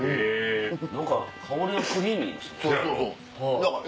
何か香りがクリーミーですね。